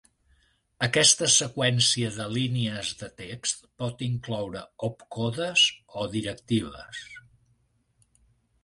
Aquesta seqüència de línies de text pot incloure opcodes o directives.